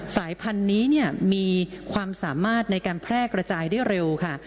สายพันธุ์นี้มีความสามารถในการแพร่กระจายได้เร็วค่ะ